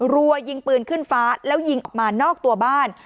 รัวยิงปืนขึ้นฟ้าแล้วยิงออกมานอกตัวบ้าน